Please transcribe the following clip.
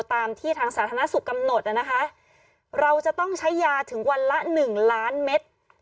ตามที่ทางสาธารณสุขกำหนดนะคะเราจะต้องใช้ยาถึงวันละหนึ่งล้านเม็ด